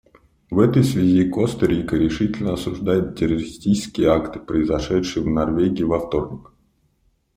В этой связи Коста-Рика решительно осуждает террористические акты, произошедшие в Норвегии во вторник.